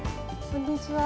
こんにちは。